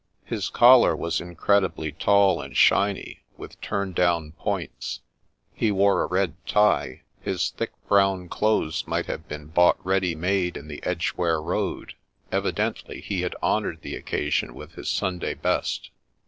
His collar was incredibly tall and shiny, with turn down points ; he wore a red tie ; his thick brown clothes might have been bought ready made in the Edgeware Road ; evi dently he had honoured the occasion with his Sunday best.